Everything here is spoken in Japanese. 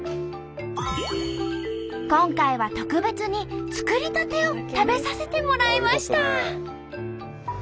今回は特別に作りたてを食べさせてもらいました。